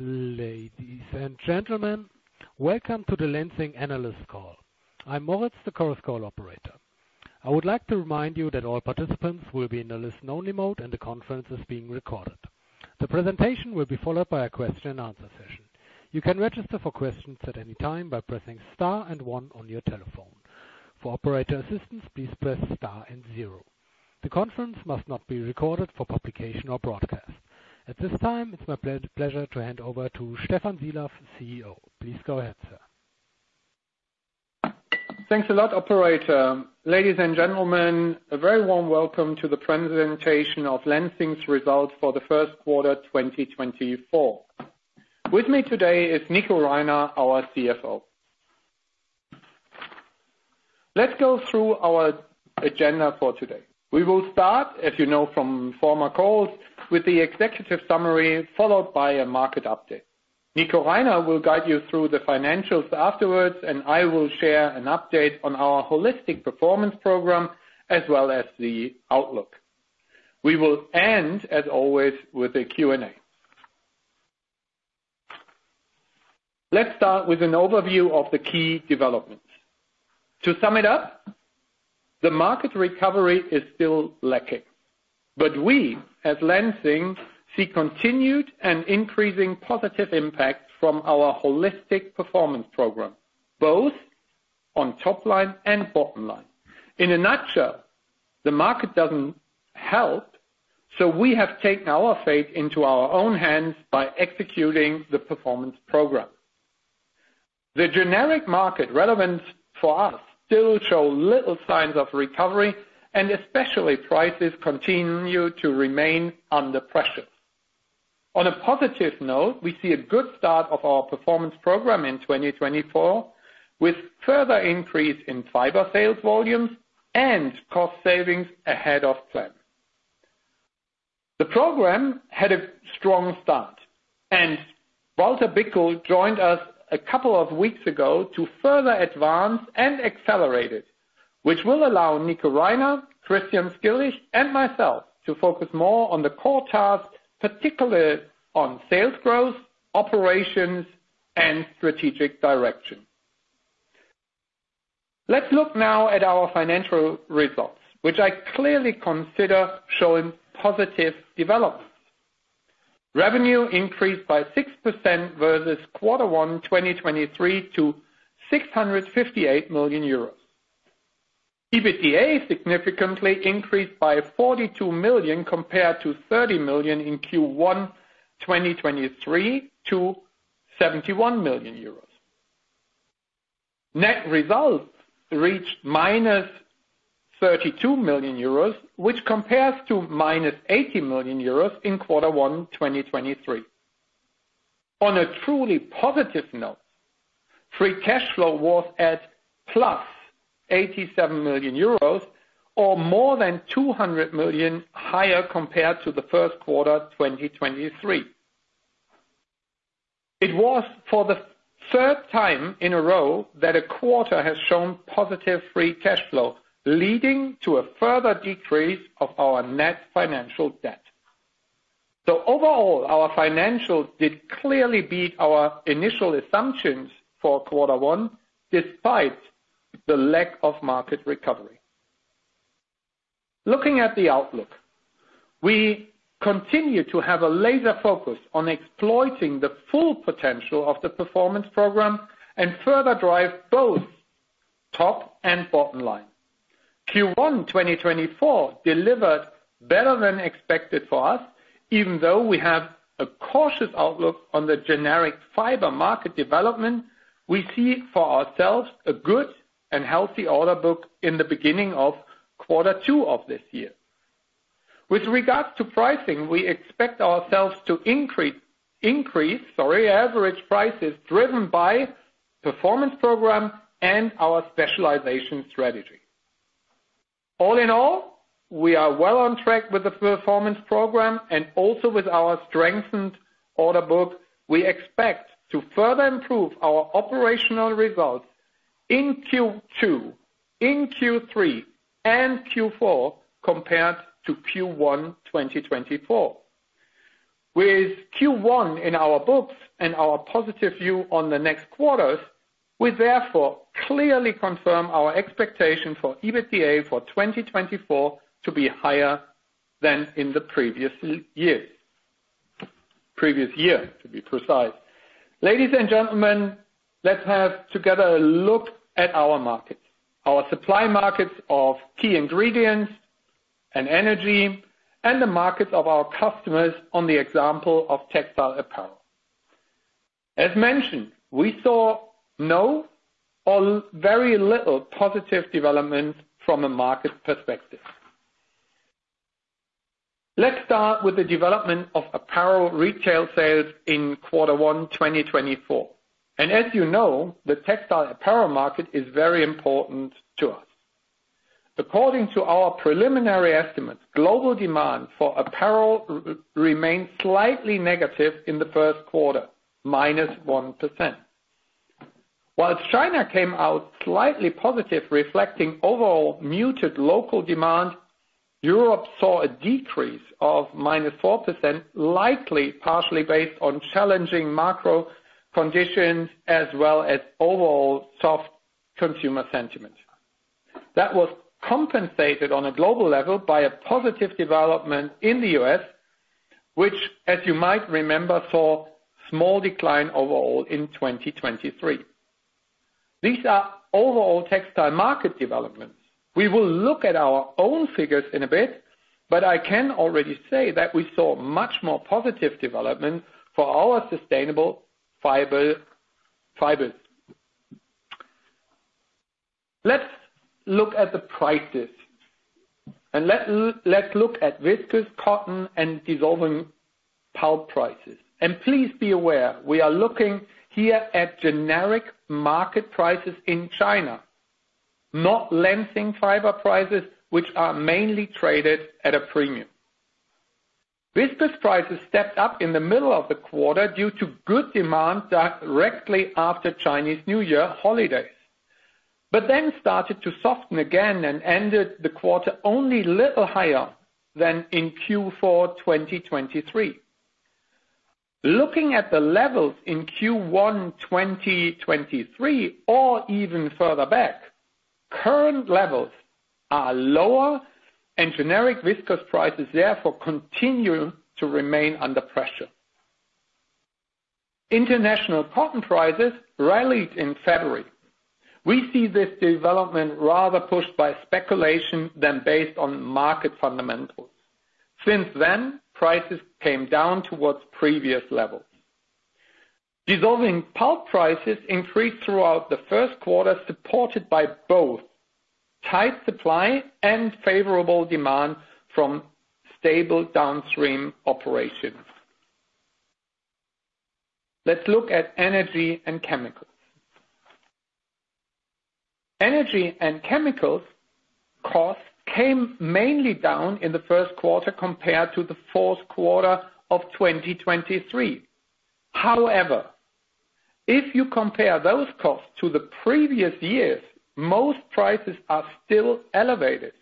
Ladies and gentlemen, welcome to the Lenzing analyst call. I'm Moritz, the conference call operator. I would like to remind you that all participants will be in the listen-only mode, and the conference is being recorded. The presentation will be followed by a question-and-answer session. You can register for questions at any time by pressing star and one on your telephone. For operator assistance, please press star and zero. The conference must not be recorded for publication or broadcast. At this time, it's my pleasure to hand over to Stephan Sielaff, CEO. Please go ahead, sir. Thanks a lot, operator. Ladies and gentlemen, a very warm welcome to the presentation of Lenzing's results for the first quarter, 2024. With me today is Nico Reiner, our CFO. Let's go through our agenda for today. We will start, as you know, from former calls, with the executive summary, followed by a market update. Nico Reiner will guide you through the financials afterwards, and I will share an update on our holistic Performance Program as well as the outlook. We will end, as always, with a Q&A. Let's start with an overview of the key developments. To sum it up, the market recovery is still lacking, but we, at Lenzing, see continued and increasing positive impact from our holistic Performance Program, both on top line and bottom line. In a nutshell, the market doesn't help, so we have taken our fate into our own hands by executing the Performance Program. The generic market relevance for us still show little signs of recovery, and especially prices continue to remain under pressure. On a positive note, we see a good start of our Performance Program in 2024, with further increase in fiber sales volumes and cost savings ahead of plan. The program had a strong start, and Walter Bickel joined us a couple of weeks ago to further advance and accelerate it, which will allow Nico Reiner, Christian Skilich, and myself to focus more on the core tasks, particularly on sales growth, operations, and strategic direction. Let's look now at our financial results, which I clearly consider showing positive developments. Revenue increased by 6% versus Q1 2023, to 658 million euros. EBITDA significantly increased by 42 million, compared to 30 million in Q1 2023, to 71 million euros. Net results reached -32 million euros, which compares to -80 million euros in quarter one 2023. On a truly positive note, free cash flow was at +87 million euros, or more than 200 million higher compared to the first quarter 2023. It was for the third time in a row that a quarter has shown positive free cash flow, leading to a further decrease of our net financial debt. So overall, our financials did clearly beat our initial assumptions for quarter one, despite the lack of market recovery. Looking at the outlook, we continue to have a laser focus on exploiting the full potential of the Performance Program and further drive both top and bottom line. Q1 2024 delivered better than expected for us. Even though we have a cautious outlook on the generic fiber market development, we see for ourselves a good and healthy order book in the beginning of quarter two of this year. With regards to pricing, we expect ourselves to increase, sorry, average prices driven by Performance Program and our specialization strategy. All in all, we are well on track with the Performance Program and also with our strengthened order book. We expect to further improve our operational results in Q2, in Q3, and Q4 compared to Q1, 2024. With Q1 in our books and our positive view on the next quarters, we therefore clearly confirm our expectation for EBITDA for 2024 to be higher than in the previous years. Previous year, to be precise. Ladies and gentlemen, let's have together a look at our markets, our supply markets of key ingredients and energy, and the markets of our customers on the example of textile apparel. As mentioned, we saw no or very little positive development from a market perspective. Let's start with the development of apparel retail sales in quarter one, 2024. As you know, the textile apparel market is very important to us. According to our preliminary estimates, global demand for apparel remains slightly negative in the first quarter, -1%. While China came out slightly positive, reflecting overall muted local demand, Europe saw a decrease of -4%, likely partially based on challenging macro conditions, as well as overall soft consumer sentiment. That was compensated on a global level by a positive development in the U.S., which, as you might remember, saw a small decline overall in 2023. These are overall textile market developments. We will look at our own figures in a bit, but I can already say that we saw much more positive development for our sustainable fiber, fibers. Let's look at the prices, and let's look at viscose, cotton, and dissolving pulp prices. And please be aware, we are looking here at generic market prices in China, not Lenzing fiber prices, which are mainly traded at a premium. Viscose prices stepped up in the middle of the quarter due to good demand directly after Chinese New Year holidays, but then started to soften again and ended the quarter only a little higher than in Q4 2023. Looking at the levels in Q1 2023, or even further back, current levels are lower, and generic viscose prices therefore continue to remain under pressure. International cotton prices rallied in February. We see this development rather pushed by speculation than based on market fundamentals. Since then, prices came down towards previous levels. Dissolving pulp prices increased throughout the first quarter, supported by both tight supply and favorable demand from stable downstream operations. Let's look at energy and chemicals. Energy and chemicals costs came mainly down in the first quarter compared to the fourth quarter of 2023. However, if you compare those costs to the previous years, most prices are still elevated.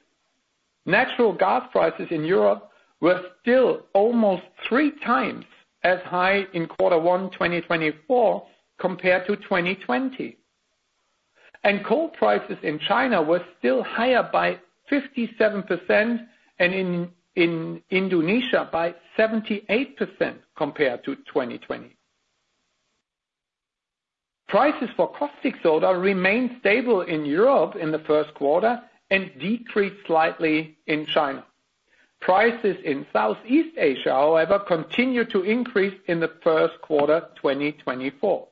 Natural gas prices in Europe were still almost three times as high in Q1 2024, compared to 2020. Coal prices in China were still higher by 57%, and in Indonesia, by 78% compared to 2020. Prices for caustic soda remained stable in Europe in the first quarter and decreased slightly in China. Prices in Southeast Asia, however, continued to increase in the first quarter 2024.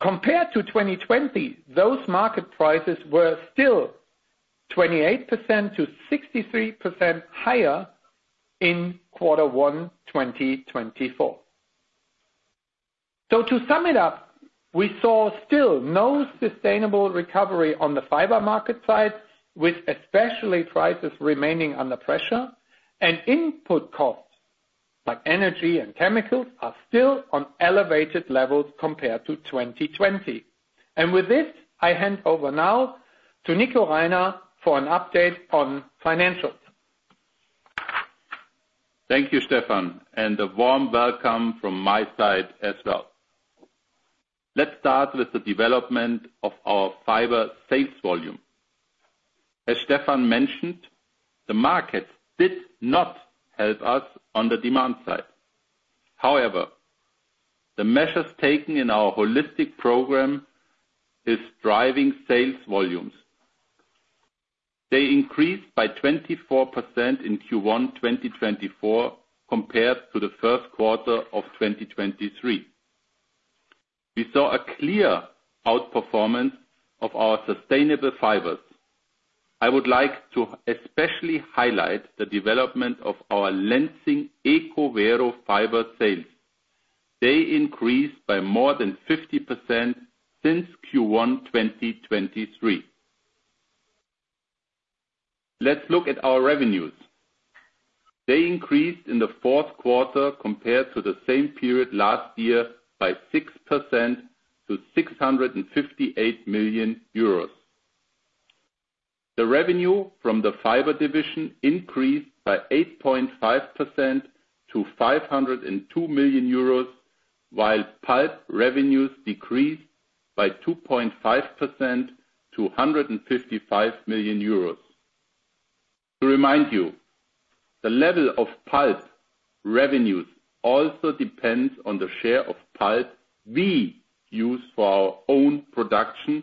Compared to 2020, those market prices were still 28%-63% higher in Q1 2024. So to sum it up, we saw still no sustainable recovery on the fiber market side, with especially prices remaining under pressure, and input costs, like energy and chemicals, are still on elevated levels compared to 2020. And with this, I hand over now to Nico Reiner for an update on financials. Thank you, Stephan, and a warm welcome from my side as well. Let's start with the development of our fiber sales volume. As Stephan mentioned, the market did not help us on the demand side. However, the measures taken in our holistic program is driving sales volumes. They increased by 24% in Q1 2024, compared to the first quarter of 2023. We saw a clear outperformance of our sustainable fibers. I would like to especially highlight the development of our Lenzing ECOVERO fiber sales. They increased by more than 50% since Q1 2023. Let's look at our revenues. They increased in the fourth quarter compared to the same period last year by 6% to 658 million euros. The revenue from the fiber division increased by 8.5% to 502 million euros, while pulp revenues decreased by 2.5% to 155 million euros. To remind you, the level of pulp revenues also depends on the share of pulp we use for our own production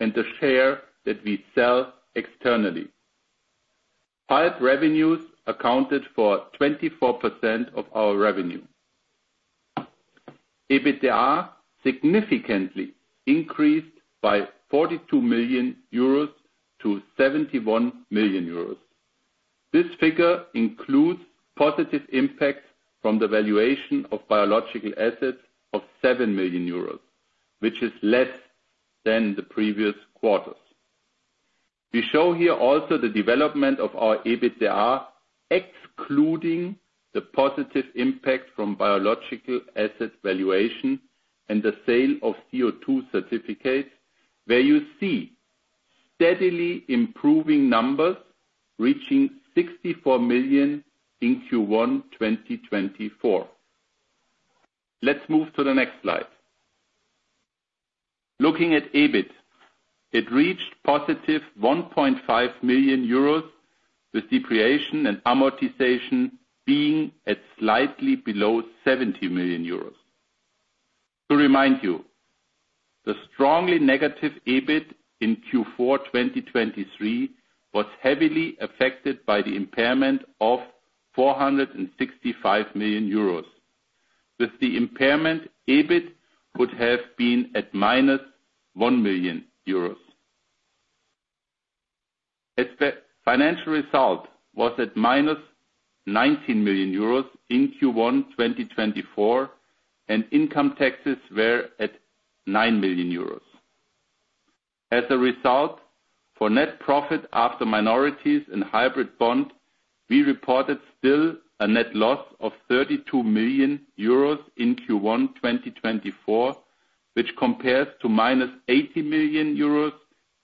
and the share that we sell externally. Pulp revenues accounted for 24% of our revenue. EBITDA significantly increased by 42 million euros to 71 million euros. This figure includes positive impacts from the valuation of biological assets of 7 million euros, which is less than the previous quarters. We show here also the development of our EBITDA, excluding the positive impact from biological asset valuation and the sale of CO2 certificates, where you see steadily improving numbers reaching 64 million in Q1 2024. Let's move to the next slide. Looking at EBIT, it reached positive 1.5 million euros, with depreciation and amortization being at slightly below 70 million euros. To remind you, the strongly negative EBIT in Q4 2023 was heavily affected by the impairment of 465 million euros. With the impairment, EBIT would have been at -1 million euros. The financial result was at -19 million euros in Q1 2024, and income taxes were at 9 million euros. As a result, for net profit after minorities and hybrid bond, we reported still a net loss of 32 million euros in Q1 2024, which compares to -80 million euros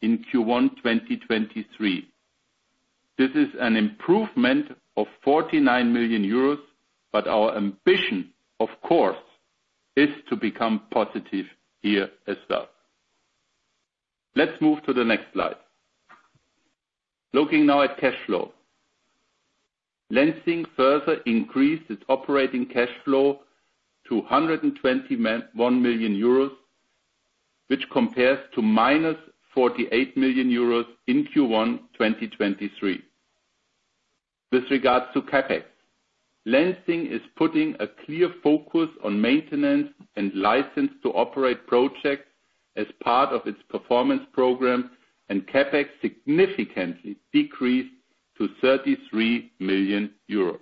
in Q1 2023. This is an improvement of 49 million euros, but our ambition, of course, is to become positive here as well. Let's move to the next slide. Looking now at cash flow. Lenzing further increased its operating cash flow to 121 million euros, which compares to -48 million euros in Q1 2023. With regards to CapEx, Lenzing is putting a clear focus on maintenance and license to operate projects as part of its Performance Program, and CapEx significantly decreased to 33 million euros.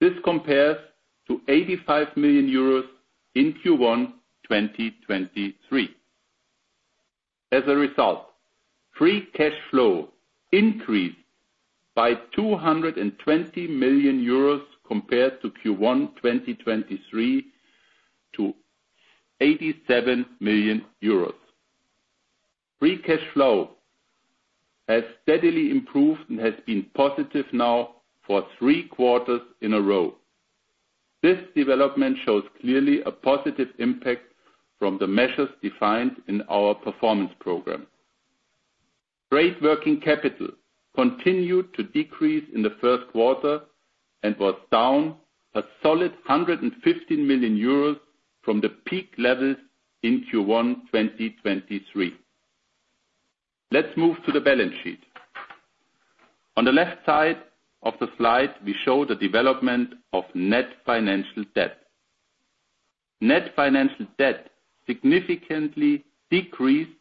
This compares to 85 million euros in Q1 2023. As a result, free cash flow increased by 220 million euros compared to Q1 2023 to 87 million euros. Free cash flow has steadily improved and has been positive now for three quarters in a row. This development shows clearly a positive impact from the measures defined in our Performance Program. Net working capital continued to decrease in the first quarter and was down a solid 115 million euros from the peak levels in Q1 2023. Let's move to the balance sheet. On the left side of the slide, we show the development of net financial debt. Net financial debt significantly decreased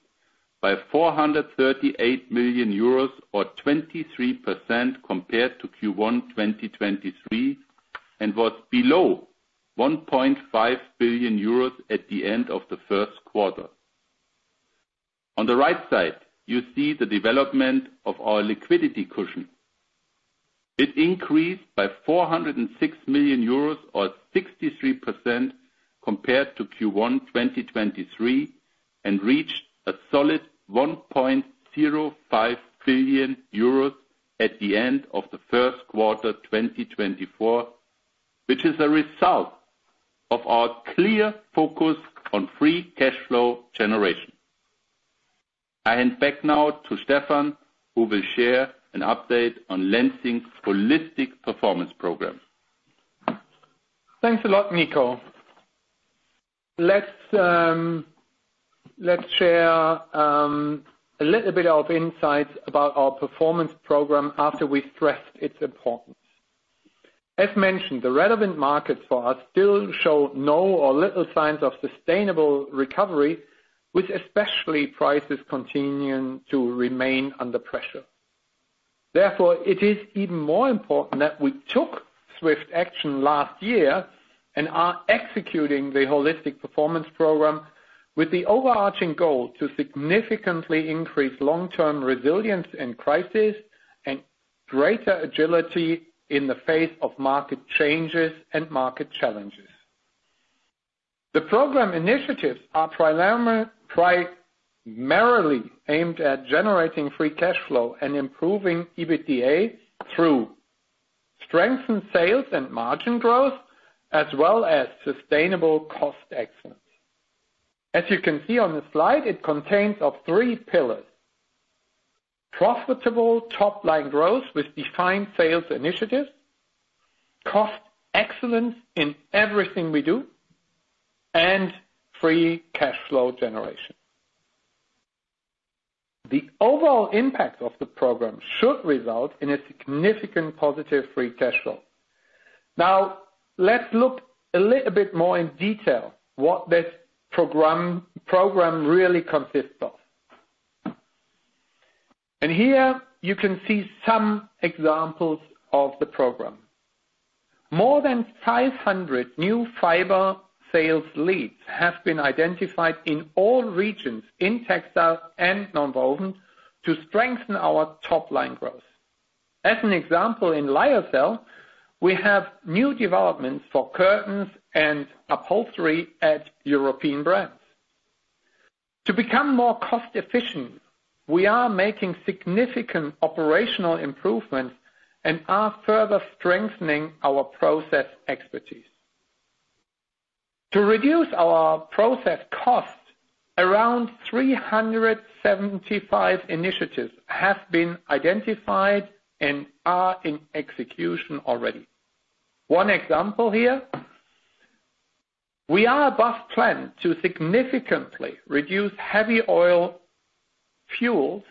by 438 million euros or 23% compared to Q1 2023, and was below 1.5 billion euros at the end of the first quarter. On the right side, you see the development of our liquidity cushion. It increased by 406 million euros or 63% compared to Q1 2023, and reached a solid 1.05 billion euros at the end of the first quarter 2024, which is a result of our clear focus on free cash flow generation. I hand back now to Stephan, who will share an update on Lenzing's holistic Performance Program. Thanks a lot, Nico. Let's share a little bit of insights about our Performance Program after we've stressed its importance. As mentioned, the relevant markets for us still show no or little signs of sustainable recovery, with especially prices continuing to remain under pressure. Therefore, it is even more important that we took swift action last year and are executing the holistic Performance Program with the overarching goal to significantly increase long-term resilience in crisis and greater agility in the face of market changes and market challenges. The program initiatives are primarily aimed at generating free cash flow and improving EBITDA through strengthened sales and margin growth, as well as sustainable cost excellence. As you can see on the slide, it contains of three pillars: profitable top-line growth with defined sales initiatives, cost excellence in everything we do, and free cash flow generation. The overall impact of the program should result in a significant positive free cash flow. Now, let's look a little bit more in detail what this program, program really consists of. And here you can see some examples of the program. More than 500 new fiber sales leads have been identified in all regions, in textile and nonwovens, to strengthen our top line growth. As an example, in lyocell, we have new developments for curtains and upholstery at European brands. To become more cost efficient, we are making significant operational improvements and are further strengthening our process expertise. To reduce our process costs, around 375 initiatives have been identified and are in execution already. One example here, we are above plan to significantly reduce heavy oil fuels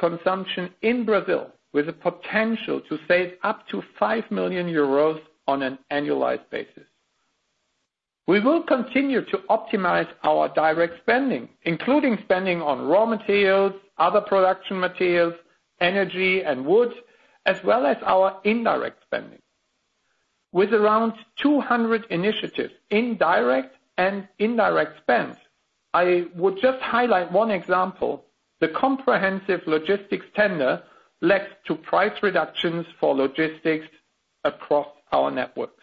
consumption in Brazil, with a potential to save up to 5 million euros on an annualized basis. We will continue to optimize our direct spending, including spending on raw materials, other production materials, energy and wood, as well as our indirect spending. With around 200 initiatives in direct and indirect spends, I would just highlight one example, the comprehensive logistics tender led to price reductions for logistics across our networks.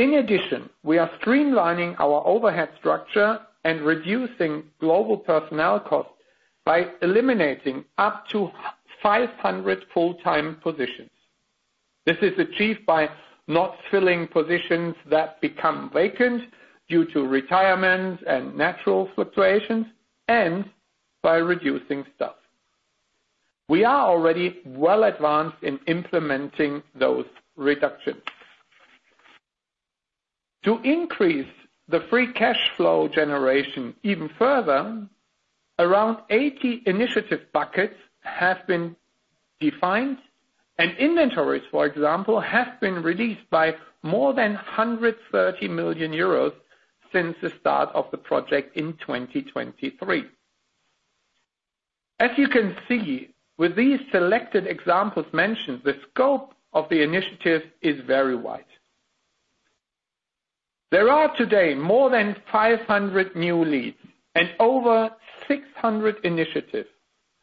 In addition, we are streamlining our overhead structure and reducing global personnel costs by eliminating up to 500 full-time positions. This is achieved by not filling positions that become vacant due to retirements and natural fluctuations, and by reducing staff. We are already well advanced in implementing those reductions. To increase the free cash flow generation even further, around 80 initiative buckets have been defined, and inventories, for example, have been released by more than 130 million euros since the start of the project in 2023. As you can see, with these selected examples mentioned, the scope of the initiative is very wide. There are today more than 500 new leads and over 600 initiatives,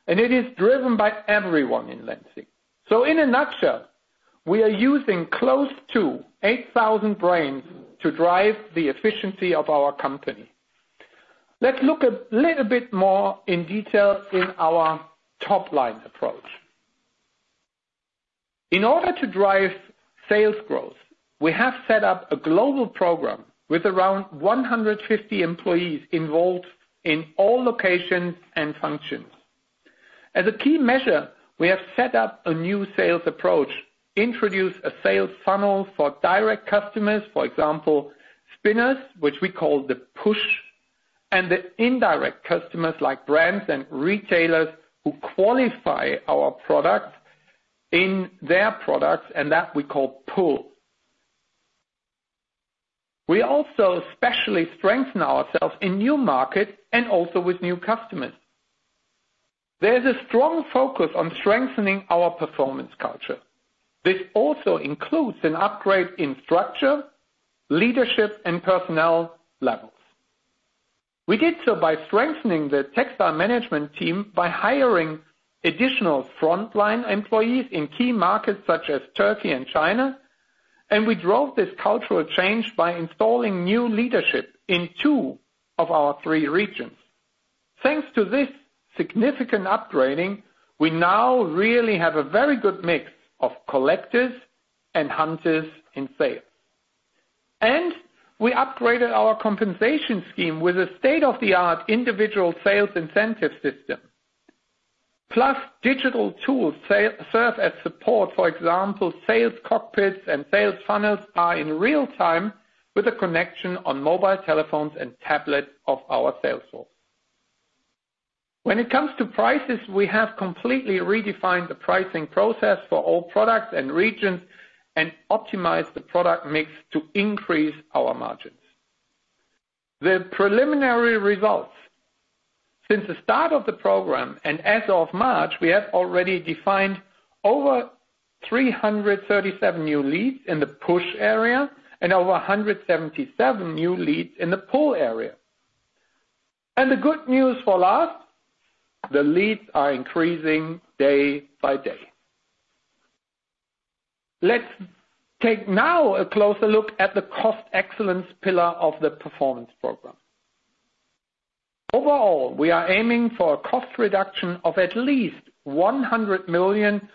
and it is driven by everyone in Lenzing. So in a nutshell, we are using close to 8,000 brains to drive the efficiency of our company. Let's look a little bit more in detail in our top line approach. In order to drive sales growth, we have set up a global program with around 150 employees involved in all locations and functions. As a key measure, we have set up a new sales approach, introduced a sales funnel for direct customers, for example, spinners, which we call the push, and the indirect customers like brands and retailers who qualify our products in their products, and that we call pull. We also specially strengthen ourselves in new markets and also with new customers. There is a strong focus on strengthening our performance culture. This also includes an upgrade in structure, leadership, and personnel levels. We did so by strengthening the textile management team, by hiring additional frontline employees in key markets such as Turkey and China, and we drove this cultural change by installing new leadership in two of our three regions. Thanks to this significant upgrading, we now really have a very good mix of collectors and hunters in sales. We upgraded our compensation scheme with a state-of-the-art individual sales incentive system. Plus, digital tools serve as support. For example, sales cockpits and sales funnels are in real time with a connection on mobile telephones and tablets of our sales force. When it comes to prices, we have completely redefined the pricing process for all products and regions and optimized the product mix to increase our margins. The preliminary results since the start of the program and as of March, we have already defined over 337 new leads in the push area and over 177 new leads in the pull area. And the good news for last, the leads are increasing day by day. Let's take now a closer look at the cost excellence pillar of the Performance Program. Overall, we are aiming for a cost reduction of at least 100 million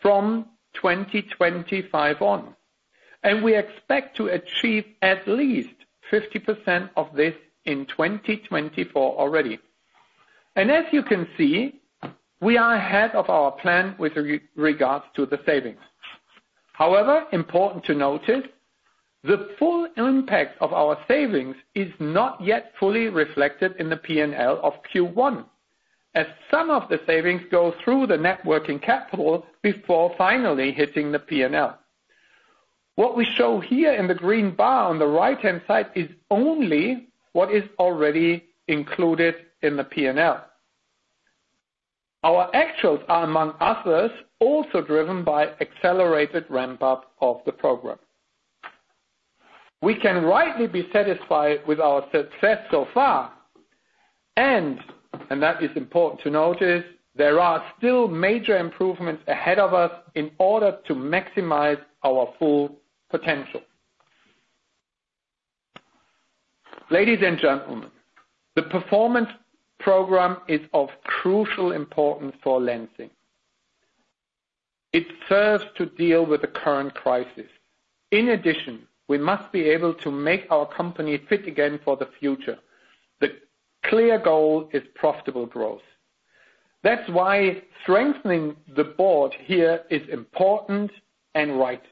from 2025 on, and we expect to achieve at least 50% of this in 2024 already. And as you can see, we are ahead of our plan with regards to the savings. However, important to notice, the full impact of our savings is not yet fully reflected in the P&L of Q1, as some of the savings go through the net working capital before finally hitting the P&L. What we show here in the green bar on the right-hand side is only what is already included in the P&L. Our actuals are, among others, also driven by accelerated ramp-up of the program. We can rightly be satisfied with our success so far, and, and that is important to notice, there are still major improvements ahead of us in order to maximize our full potential. Ladies and gentlemen, the Performance Program is of crucial importance for Lenzing. It serves to deal with the current crisis. In addition, we must be able to make our company fit again for the future. The clear goal is profitable growth. That's why strengthening the board here is important and right.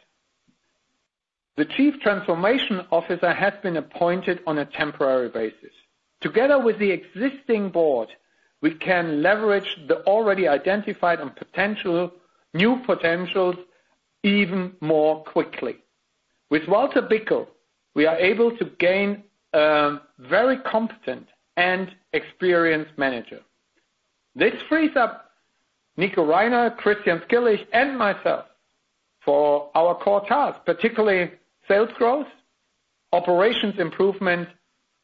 The Chief Transformation Officer has been appointed on a temporary basis. Together with the existing board, we can leverage the already identified and potential, new potentials even more quickly. With Walter Bickel, we are able to gain, very competent and experienced manager. This frees up Nico Reiner, Christian Skilich, and myself for our core tasks, particularly sales growth, operations improvement,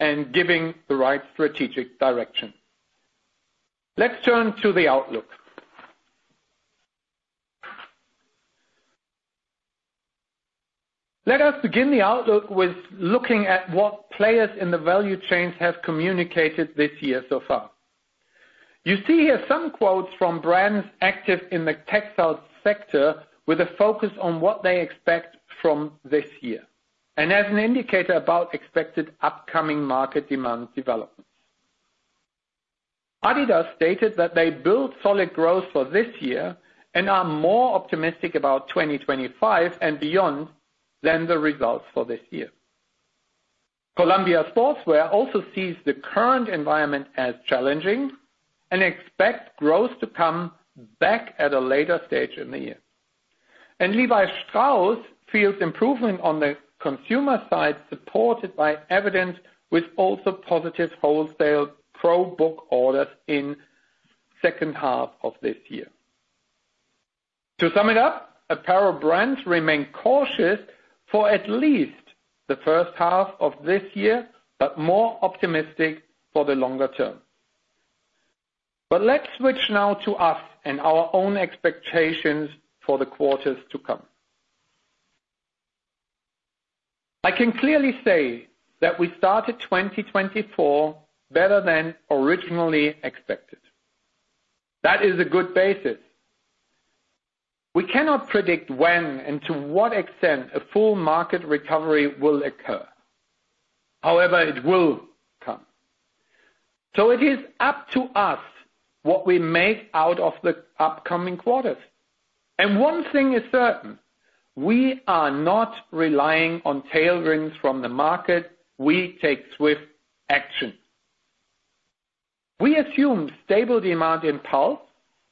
and giving the right strategic direction. Let's turn to the outlook. Let us begin the outlook with looking at what players in the value chains have communicated this year so far. You see here some quotes from brands active in the textile sector, with a focus on what they expect from this year, and as an indicator about expected upcoming market demand developments. Adidas stated that they built solid growth for this year and are more optimistic about 2025 and beyond than the results for this year. Columbia Sportswear also sees the current environment as challenging and expect growth to come back at a later stage in the year. Levi Strauss feels improvement on the consumer side, supported by evidence, with also positive wholesale pro-book orders in second half of this year. To sum it up, apparel brands remain cautious for at least the first half of this year, but more optimistic for the longer term. Let's switch now to us and our own expectations for the quarters to come. I can clearly say that we started 2024 better than originally expected. That is a good basis. We cannot predict when and to what extent a full market recovery will occur. However, it will come. So it is up to us what we make out of the upcoming quarters, and one thing is certain, we are not relying on tailwinds from the market. We take swift action. We assume stable demand in pulp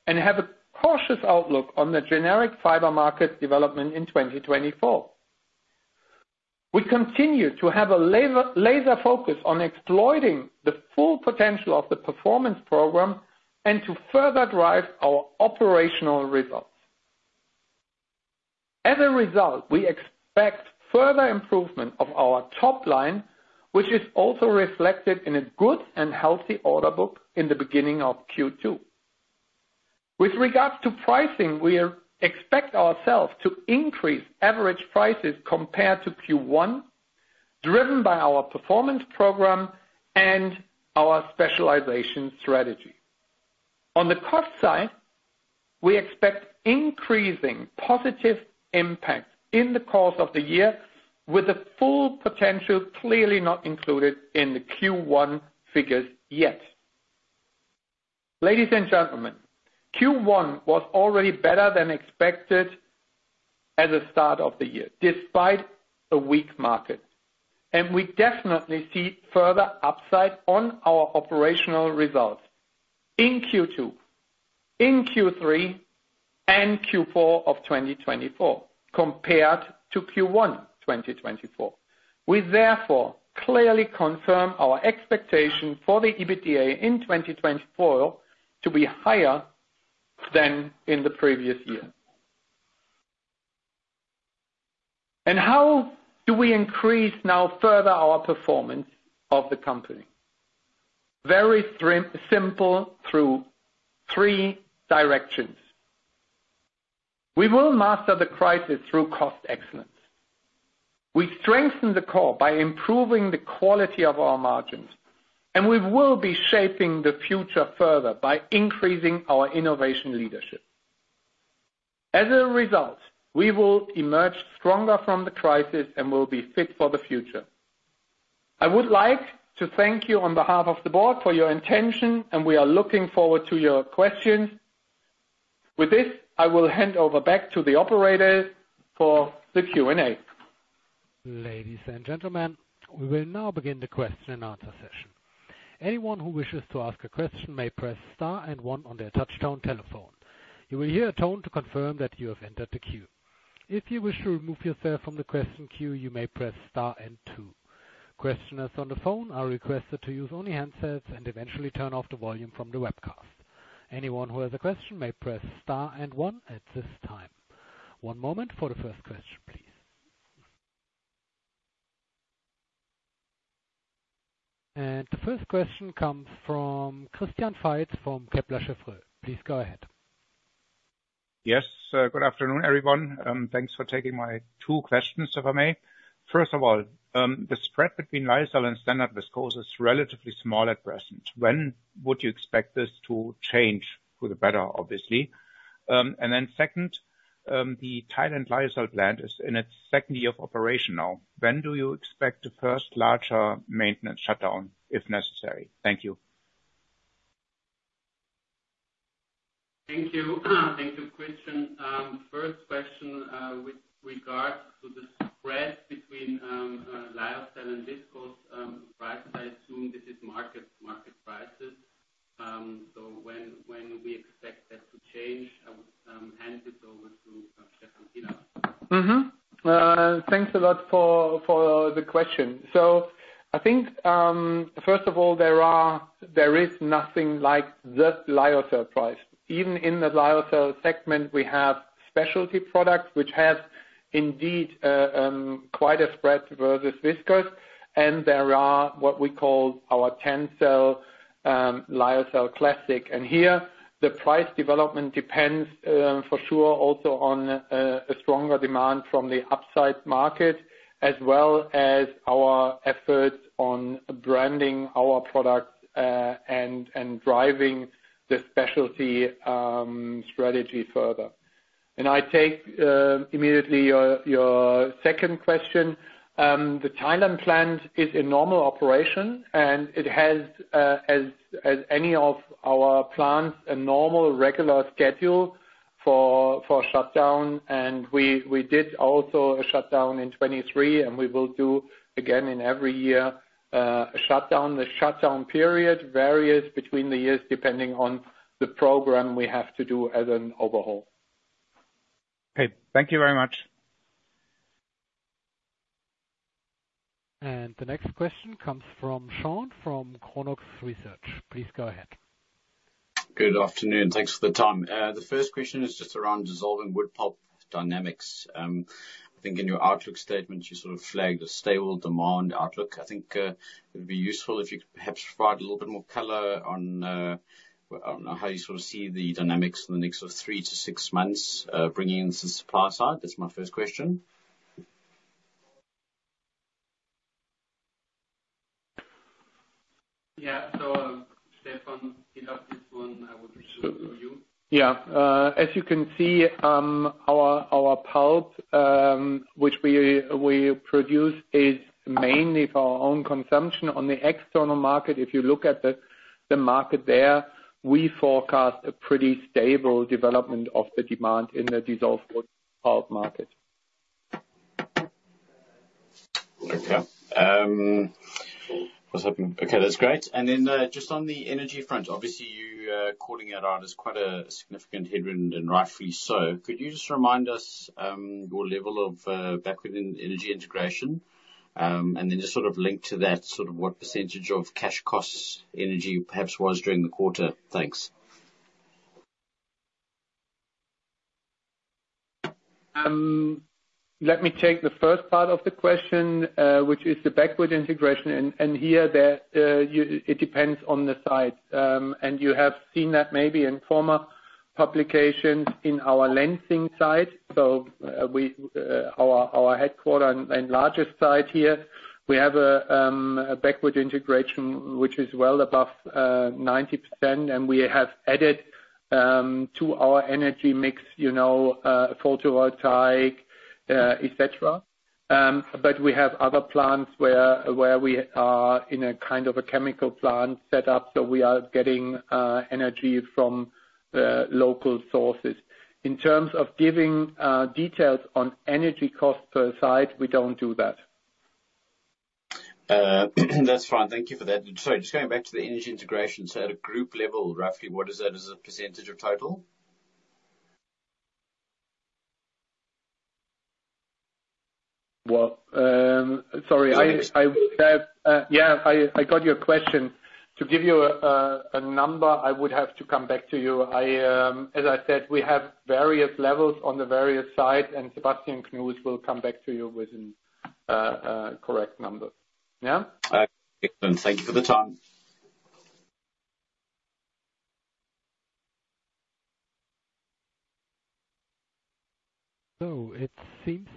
and have a cautious outlook on the generic fiber market development in 2024. We continue to have a laser focus on exploiting the full potential of the Performance Program and to further drive our operational results. As a result, we expect further improvement of our top line, which is also reflected in a good and healthy order book in the beginning of Q2. With regards to pricing, we expect ourselves to increase average prices compared to Q1, driven by our Performance Program and our specialization strategy. On the cost side, we expect increasing positive impact in the course of the year, with the full potential clearly not included in the Q1 figures yet. Ladies and gentlemen, Q1 was already better than expected at the start of the year, despite a weak market, and we definitely see further upside on our operational results in Q2, in Q3, and Q4 of 2024, compared to Q1 2024. We therefore clearly confirm our expectation for the EBITDA in 2024 to be higher than in the previous year. How do we increase now further our performance of the company? Very simple, through three directions. We will master the crisis through cost excellence. We strengthen the core by improving the quality of our margins, and we will be shaping the future further by increasing our innovation leadership. As a result, we will emerge stronger from the crisis and will be fit for the future. I would like to thank you on behalf of the board for your attention, and we are looking forward to your questions. With this, I will hand over back to the operator for the Q&A. Ladies and gentlemen, we will now begin the question-and-answer session. Anyone who wishes to ask a question may press star and one on their touchtone telephone. You will hear a tone to confirm that you have entered the queue. If you wish to remove yourself from the question queue, you may press star and two. Questioners on the phone are requested to use only handsets and eventually turn off the volume from the webcast. Anyone who has a question may press star and one at this time. One moment for the first question, please. The first question comes from Christian Faitz from Kepler Cheuvreux. Please go ahead. Yes, good afternoon, everyone. Thanks for taking my two questions, if I may. First of all, the spread between lyocell and standard viscose is relatively small at present. When would you expect this to change for the better, obviously? And then second, the Thailand lyocell plant is in its second year of operation now. When do you expect the first larger maintenance shutdown, if necessary? Thank you. Thank you. Thank you, Christian. First question, with regard to the spread between lyocell and viscose price, I assume this is market prices. So when we expect that to change, I would hand this over to Stephan Sielaff. Mm-hmm. Thanks a lot for the question. So I think, first of all, there is nothing like the lyocell price. Even in the lyocell segment, we have specialty products which have indeed quite a spread versus viscose, and there are what we call our TENCEL lyocell classic. And here, the price development depends, for sure also on a stronger demand from the upside market, as well as our efforts on branding our products, and driving the specialty strategy further. And I take immediately your second question. The Thailand plant is in normal operation, and it has, as any of our plants, a normal, regular schedule for shutdown, and we did also a shutdown in 2023, and we will do again in every year a shutdown. The shutdown period varies between the years, depending on the program we have to do as an overhaul. Okay, thank you very much. The next question comes from Sean from Chronux Research. Please go ahead. Good afternoon. Thanks for the time. The first question is just around dissolving wood pulp dynamics. I think in your outlook statement, you sort of flagged a stable demand outlook. I think it would be useful if you could perhaps provide a little bit more color on how you sort of see the dynamics in the next sort of three - six months, bringing in the supply side. That's my first question. Yeah, so, Stephan Sielaff, this one I would pursue for you. Yeah. As you can see, our pulp, which we produce, is mainly for our own consumption. On the external market, if you look at the market there, we forecast a pretty stable development of the demand in the dissolving wood pulp market. Okay. What's happening? Okay, that's great. And then, just on the energy front, obviously, you calling it out as quite a significant headwind, and rightfully so. Could you just remind us, your level of backward in energy integration? And then just sort of link to that, sort of what percentage of cash costs energy perhaps was during the quarter? Thanks. Let me take the first part of the question, which is the backward integration, and it depends on the site. You have seen that maybe in former publications in our Lenzing site. Our headquarters and largest site here, we have a backward integration, which is well above 90%, and we have added to our energy mix, you know, photovoltaic, et cetera. But we have other plants where we are in a kind of a chemical plant set up, so we are getting energy from local sources. In terms of giving details on energy cost per site, we don't do that. That's fine. Thank you for that. Sorry, just going back to the energy integration. So at a group level, roughly, what is that as a percentage of total? Well, sorry, yeah, I got your question. To give you a number, I would have to come back to you. As I said, we have various levels on the various sites, and Sebastian Knuth will come back to you with a correct number. Yeah? Excellent. Thank you for the time. So, it seems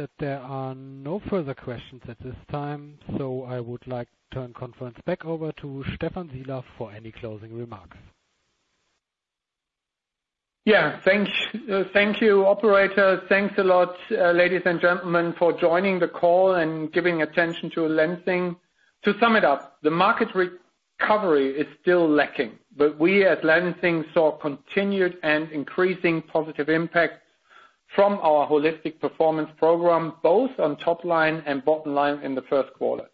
that there are no further questions at this time, so I would like to turn the conference back over to Stephan Sielaff for any closing remarks. Yeah. Thanks, thank you, operator. Thanks a lot, ladies and gentlemen, for joining the call and giving attention to Lenzing. To sum it up, the market recovery is still lacking, but we, at Lenzing, saw continued and increasing positive impact from our holistic Performance Program, both on top line and bottom line in the first quarter.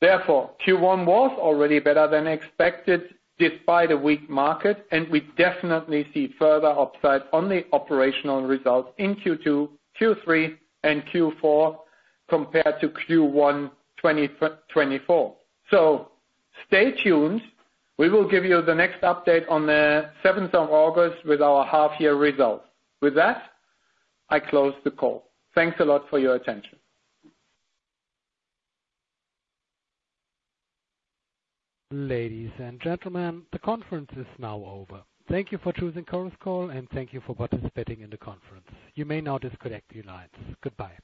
Therefore, Q1 was already better than expected, despite a weak market, and we definitely see further upside on the operational results in Q2, Q3, and Q4 compared to Q1, 2024. So stay tuned. We will give you the next update on the seventh of August with our half-year results. With that, I close the call. Thanks a lot for your attention. Ladies and gentlemen, the conference is now over. Thank you for choosing Chorus Call, and thank you for participating in the conference. You may now disconnect your lines. Goodbye.